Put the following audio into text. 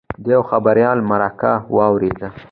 د یوه خبریال مرکه واورېده.